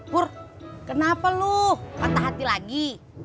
pur kenapa lu patah hati lagi